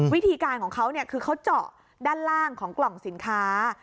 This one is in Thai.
วิธีการของเขาคือเขาเจาะด้านล่างของกล่องสินค้า